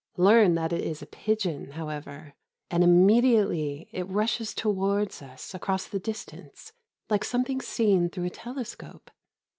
Learn that it is a pigeon however, and immediately it rushes towards us across the distance, like something seen through a telescope.